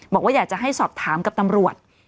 บอกว่าอยากจะให้สอบถามกับตำรวจ